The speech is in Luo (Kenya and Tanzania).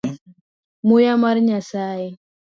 Muya mar nyasaye.